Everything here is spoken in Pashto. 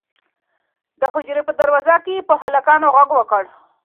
د حجرې په دروازه کې یې په هلکانو غږ وکړ.